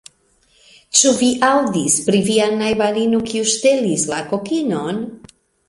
Ĉu vi aŭdis pri via najbarino kiu ŝtelis la kokinon?